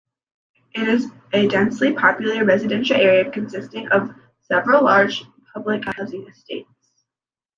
It is a densely populated residential area, consisting of several large public housing estates.